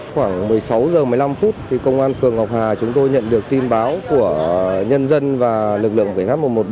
khoảng một mươi sáu h một mươi năm phút công an phường ngọc hà chúng tôi nhận được tin báo của nhân dân và lực lượng khởi tháp một trăm một mươi ba